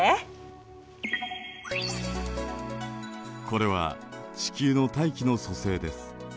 これは地球の大気の組成です。